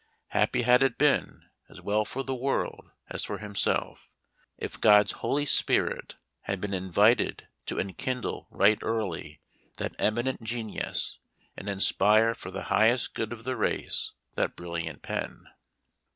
Happy had it been, as well for the world as for himself, if God's Holy Spirit had been invited to enkindle right early that eminent genius, and inspire for the highest good of the race that brilliant pen